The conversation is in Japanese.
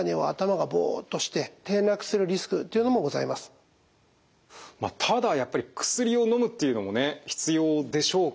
例えばただやっぱり薬をのむっていうのもね必要でしょうからね。